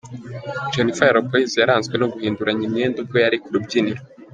Jennifer Lopez yaranzwe no guhinduranya imyenda ubwo yari ku rubyiniro.